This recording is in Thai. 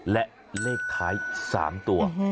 และเลขคล้ายสามตัว